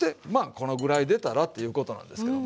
このぐらい出たらっていうことなんですけどもね。